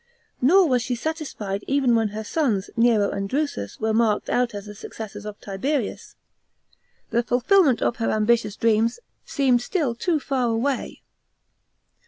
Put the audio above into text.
Nor was she satisfied even when her sons, Nero and Drusus, were marked out as the successors of Tiberius. The fulfilment of her ambitious dreams seemed still too far away.